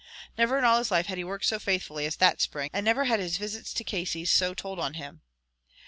Never in all his life had he worked so faithfully as that spring, and never had his visits to Casey's so told on him.